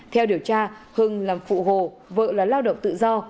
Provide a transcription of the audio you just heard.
theo điều tra hưng làm phụ hồ vợ là lao động tự do